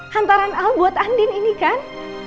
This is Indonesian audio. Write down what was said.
hantaran al buat andin ini kan